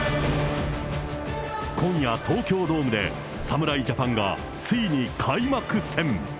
今夜、東京ドームで侍ジャパンがついに開幕戦。